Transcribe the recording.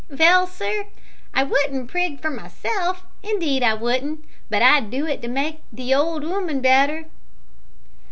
"Vell, sir, I wouldn't prig for myself indeed I wouldn't but I'd do it to make the old 'ooman better."